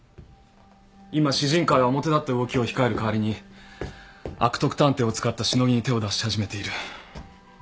今獅靭会は表立った動きを控える代わりに悪徳探偵を使ったシノギに手を出し始めている。